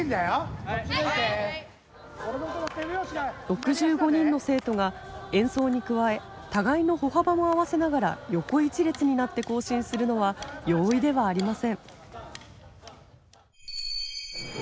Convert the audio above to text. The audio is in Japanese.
６５人の生徒が演奏に加え互いの歩幅も合わせながら横一列になって行進するのは容易ではありません。